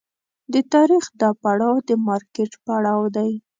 د تاریخ دا پړاو د مارکېټ پړاو دی.